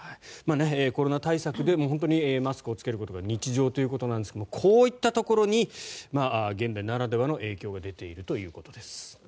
コロナ対策でマスクを着けることが日常ということなんですがこういったところに現代ならではの影響が出ているということです。